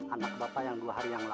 anak bapak yang dua hari yang lalu